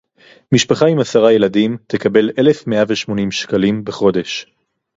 משפחה עם עשרה ילדים תקבל אלף מאה ושמונים שקלים בחודש